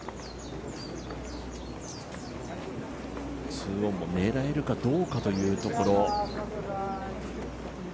２オンも狙えるかどうかというところ。